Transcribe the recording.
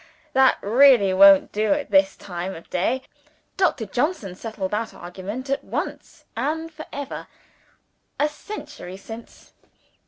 that really won't do at this time of day. Doctor Johnson settled that argument at once and for ever, a century since.